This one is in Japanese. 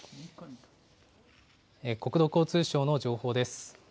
国土交通省の情報です。